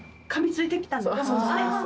そうです。